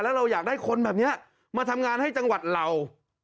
แล้วเราอยากได้คนแบบนี้มาทำงานให้จังหวัดเรา